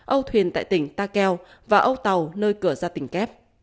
âu thuyền tại tỉnh ta keo và âu tàu nơi cửa ra tỉnh kép